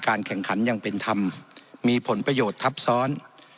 แข่งขันยังเป็นธรรมมีผลประโยชน์ทับซ้อน